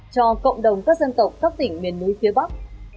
cho cộng đồng các dân tộc các tỉnh miền núi phía bắc